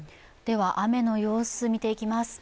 雨の様子見ていきます。